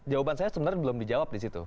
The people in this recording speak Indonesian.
jawaban saya sebenarnya belum dijawab di situ